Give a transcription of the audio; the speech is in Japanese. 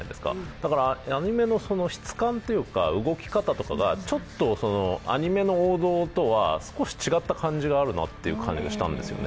だからアニメの質感とか動き方とかがちょっとアニメの王道とは少し違った感じがあるなという感じがしたんですね。